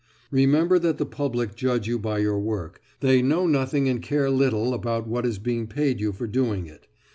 Remember that the public judge you by your work, they know nothing and care little about what is being paid you for doing it.